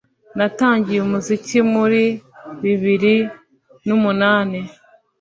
natangiye umuziki muri bibiri n’umunani